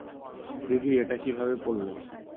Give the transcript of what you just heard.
দিদি, এটা কিভাবে পড়লো?